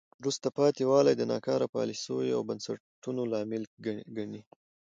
وروسته پاتې والی د ناکاره پالیسیو او بنسټونو لامل ګڼي.